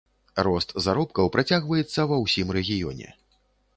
Рост заробкаў працягваецца ва ўсім рэгіёне.